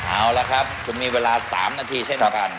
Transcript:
เอาละครับคุณมีเวลา๓นาทีเช่นเดียวกัน